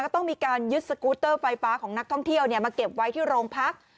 ต้องมีการยึดสกูตเตอร์ไฟฟ้าของนักท่องเที่ยวมาเก็บไว้ที่โรงพัก